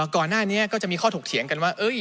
ก่อนหน้านี้ก็จะมีข้อถกเถียงกันว่า